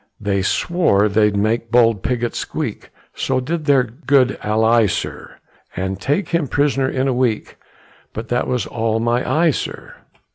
They swore they'd make bold Pigot squeak, So did their good ally, sir, And take him pris'ner in a week, But that was all my eye, sir.